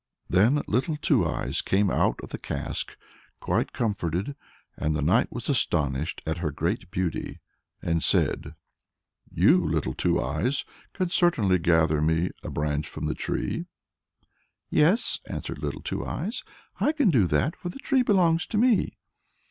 Then Little Two Eyes came out of the cask quite comforted, and the knight was astonished at her great beauty, and said "You, Little Two Eyes, can certainly gather me a branch from the tree?" "Yes," answered Little Two Eyes, "I can do that, for the tree belongs to me."